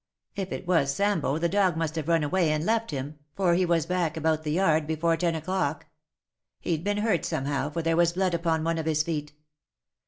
If it was Sambo the dog must have run away and left 16 "with such remorseless speed Linij for he was back about the yard before ten o'clock. He'd been hurt somehow, for there was blood upon one of his feet.